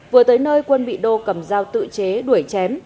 vừa tới nơi quân bị đô cầm dao tự chế đuổi chém